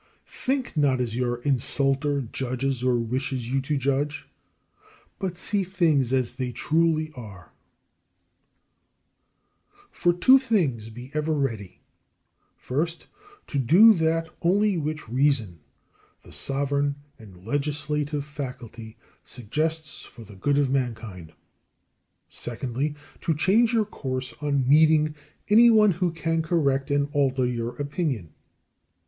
11. Think not as your insulter judges or wishes you to judge: but see things as they truly are. 12. For two things be ever ready: First, to do that only which reason, the sovereign and legislative faculty, suggests for the good of mankind: Secondly, to change your course on meeting any one who can correct and alter your opinion.